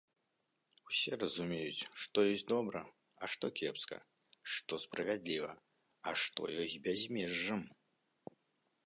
Усе разумеюць, што ёсць добра, а што кепска, што справядліва, а што ёсць бязмежжам.